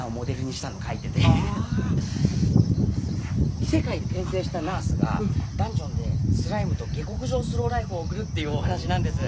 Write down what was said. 異世界に転生したナースがダンジョンでスライムと下克上スローライフを送るっていうお話なんです。